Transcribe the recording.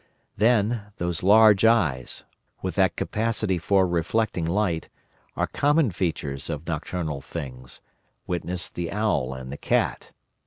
Then, those large eyes, with that capacity for reflecting light, are common features of nocturnal things—witness the owl and the cat.